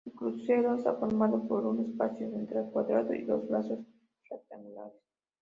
El crucero está formado por un espacio central cuadrado y dos brazos rectangulares.